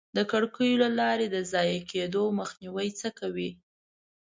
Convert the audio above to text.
د کړکیو له لارې د ضایع کېدو مخنیوی څه کوئ؟